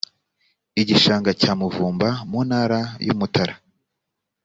igishanga cya muvumba mu ntara y’umutara,